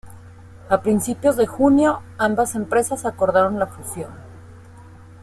A principios de junio, ambas empresas acordaron la fusión.